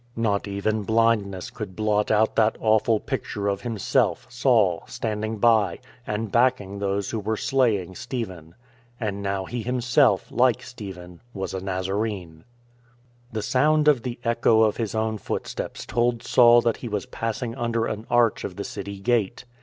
Not even 82 IN TRAINING blindness could blot out that awful picture of him self, Saul, standing by, and backing those who were slaying Stephen. And now he himself, like Stephen, was a Nazarene. The sound of the echo of his own footsteps told Saul that he was passing under an arch of the city gate.